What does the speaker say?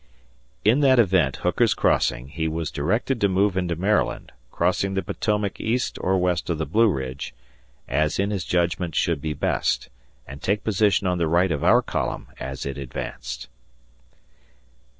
"In that event (Hooker's crossing) he was directed to move into Maryland, crossing the Potomac east or west of the Blue Ridge, as in his judgment should be best, and take position on the right of our column as it advanced."